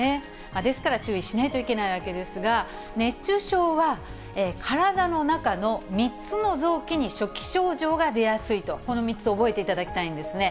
ですから注意しないといけないわけですが、熱中症は体の中の３つの臓器に初期症状が出やすいと、この３つ覚えていただきたいんですね。